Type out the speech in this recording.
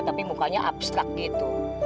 tapi mukanya abstrak gitu